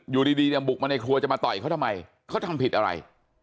อยู่ดีเนี่ยบุกมาในครัวจะมาต่อยเขาทำไมเขาทำผิดอะไร